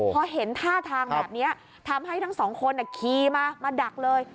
พอเห็นท่าทางแบบนี้ทำให้ทั้งสองคนขี่มามาดักเลย